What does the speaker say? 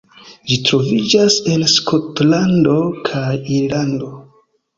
Ĝi troviĝas en Skotlando kaj Irlando.